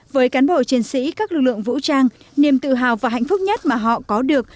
với cán bộ chiến sĩ các lực lượng vũ trang niềm tự hào và hạnh phúc nhất mà họ có được